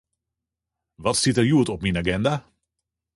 Wat stiet der hjoed yn myn aginda?